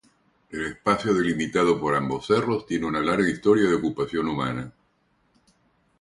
El espacio delimitado por ambos cerros tiene una larga historia de ocupación humana.